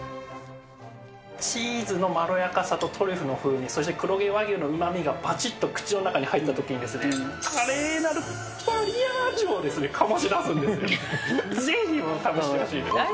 チーズのまろやかさとトリュフの風味、そして黒毛和牛のうまみがばちっと口の中に入ったときに、華麗なるマリアージュを醸し出すんですよ。